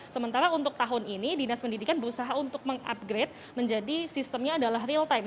sementara untuk tahun ini dinas pendidikan berusaha untuk mengupgrade menjadi sistemnya adalah real time